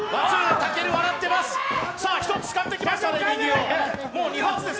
武尊、笑ってます。